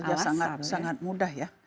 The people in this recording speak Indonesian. bukan saja sangat mudah